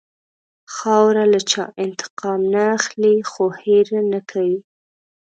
خاوره له چا انتقام نه اخلي، خو هېر نه کوي.